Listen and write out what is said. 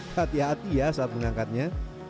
hati hati ya saat mengangkatnya